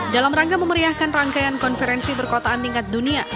dalam rangka memeriahkan rangkaian konferensi perkotaan tingkat dunia